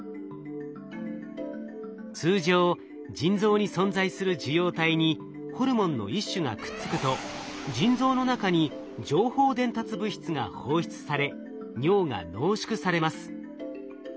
通常腎臓に存在する受容体にホルモンの一種がくっつくと腎臓の中に情報伝達物質が放出され尿が濃縮されます。